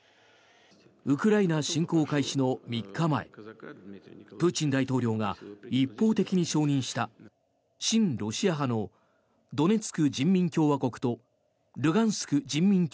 ウクライナ侵攻開始の３日前プーチン大統領が一方的に承認した親ロシア派のドネツク人民共和国とルガンスク人民